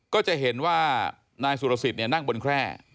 ก็จะเห็นว่านายสุรสิทธิ์นั่งบนแคร่